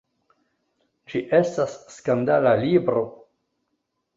Ĝi estas skandala libro.